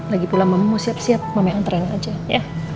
lagi pulang mama mau siap siap mama yang antren aja ya